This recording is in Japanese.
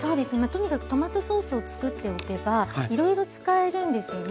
とにかくトマトソースをつくっておけばいろいろ使えるんですよね。